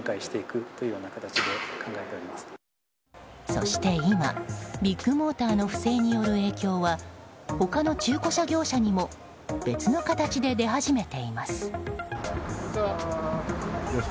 そして今、ビッグモーターの不正による影響は他の中古車業者にも別の形で出始めています。